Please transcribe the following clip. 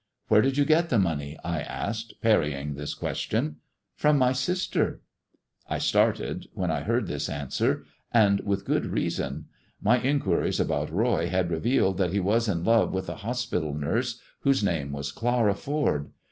" Where did you get the money ?" I asked, parrying this question. "From my sister." I started when I heard this answer, and with good reason. My* inquiries about E;oy had revealed that he was in love with a hospital nurse whose name was Clara Ford.